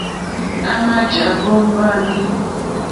À mà jàwó mbáǃámì.